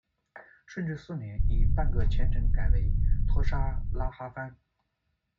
顺治四年，以半个前程改为拖沙喇哈番。